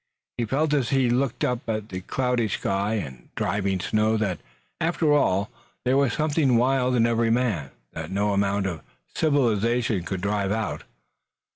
He felt as he looked up at the cloudy sky and driving snow that, after all, there was something wild in every man that no amount of civilization could drive out.